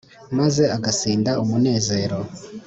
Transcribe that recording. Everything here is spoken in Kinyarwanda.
Maze agasinda umunezero,